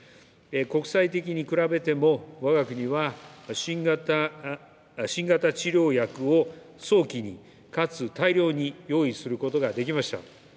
国際的に比べても、わが国は新型治療薬を早期に、かつ大量に用意することができました。